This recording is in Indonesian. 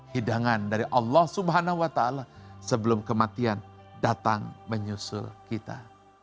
hidangan dari allah swt sebelum kematian datang menyusul kita